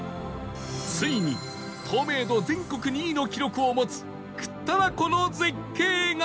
ついに透明度全国２位の記録を持つ倶多楽湖の絶景が